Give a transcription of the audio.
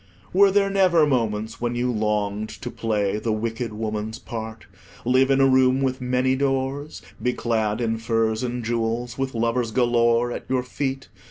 Were there never moments when you longed to play the wicked woman's part, live in a room with many doors, be clad in furs and jewels, with lovers galore at your feet?